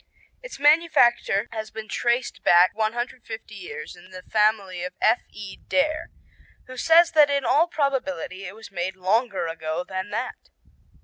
"Its manufacture has been traced back 150 years in the family of F.E. Dare, who says that in all probability it was made longer ago than that."